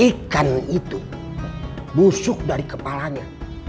ikan itu busuk dari kepalanya